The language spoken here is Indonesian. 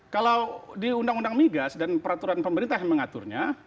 kalau di undang undang migas dan peraturan pemerintah yang mengaturnya